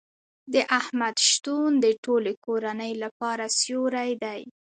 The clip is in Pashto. د احمد شتون د ټولې کورنۍ لپاره سیوری دی.